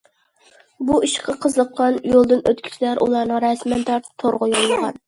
بۇ ئىشقا قىزىققان يولدىن ئۆتكۈچىلەر ئۇلارنىڭ رەسىمىنى تارتىپ تورغا يوللىغان.